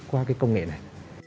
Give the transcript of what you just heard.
qua cái công nghệ này